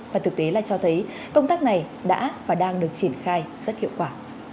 và thực tế là cho thấy công tác này đã và đang được triển khai rất hiệu quả